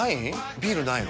ビールないの？